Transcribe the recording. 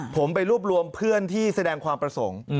ผมไปรวบรวมเพื่อนที่แสดงความประสงค์